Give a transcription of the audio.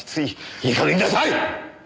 いい加減になさい！